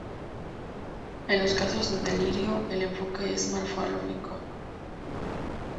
En los casos de delirio, el enfoque es farmacológico.